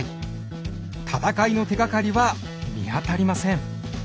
戦いの手がかりは見当たりません。